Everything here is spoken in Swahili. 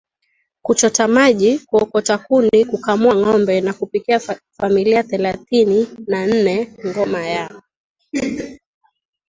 kuchota maji kuokota kuni kukamua ngombe na kupikia familia thelathini na nneNgoma ya